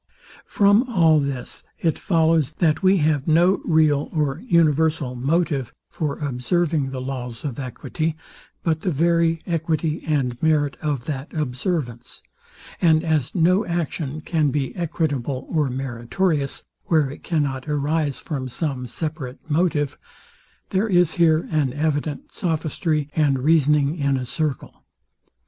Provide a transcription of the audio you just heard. From all this it follows, that we have no real or universal motive for observing the laws of equity, but the very equity and merit of that observance; and as no action can be equitable or meritorious, where it cannot arise from some separate motive, there is here an evident sophistry and reasoning in a circle.